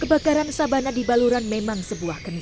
kebakaran sabana di baluran memang sebuah kenik